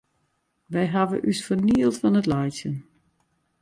Wy hawwe ús fernield fan it laitsjen.